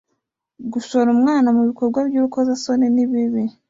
Gushora umwana mu bikorwa by’urukozasoni ni bibi